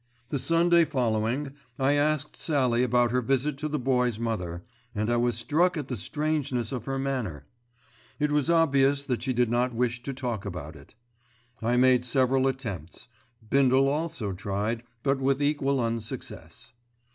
The Sunday following I asked Sallie about her visit to the Boy's mother, and I was struck at the strangeness of her manner. It was obvious that she did not wish to talk about it. I made several attempts, Bindle also tried; but with equal unsuccess.